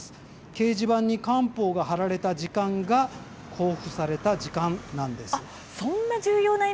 掲示板に官報が貼られた時間が公布された時間なんです。